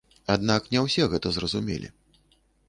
Аднак не ўсе гэта зразумелі.